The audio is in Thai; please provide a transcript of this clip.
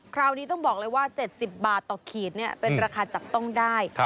คราวนี้ต้องบอกเลยว่า๗๐บาทต่อขีดเป็นราคาจับต้องได้